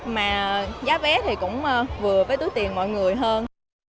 mà giá vé thì cũng vừa với túi tiền mọi người hơn